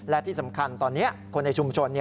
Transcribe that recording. และที่สำคัญตอนนี้คนในชุมชน